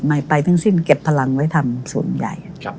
ไปทั้งสิ้นเก็บพลังไว้ทำส่วนใหญ่